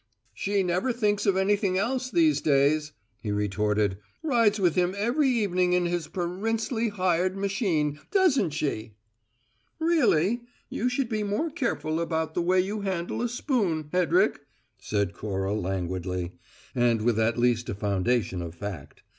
"She never thinks of anything else these days," he retorted. "Rides with him every evening in his pe rin sley hired machine, doesn't she?" "Really, you should be more careful about the way you handle a spoon, Hedrick," said Cora languidly, and with at least a foundation of fact.